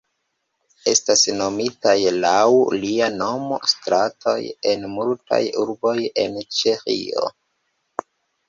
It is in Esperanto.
Estas nomitaj laŭ lia nomo stratoj en multaj urboj en Ĉeĥio.